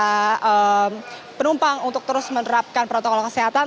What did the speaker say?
para penumpang untuk terus menerapkan protokol kesehatan